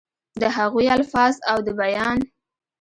دَ هغوي الفاظ او دَ بيان